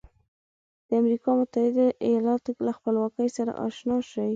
د امریکا متحده ایالتونو له خپلواکۍ سره آشنا شئ.